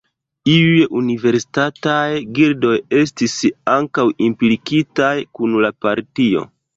Iuj universitataj gildoj estis ankaŭ implikitaj kun la partio.